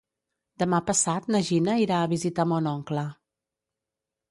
Demà passat na Gina irà a visitar mon oncle.